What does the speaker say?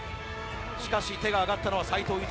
しかし、手が挙がったのは斎藤裕。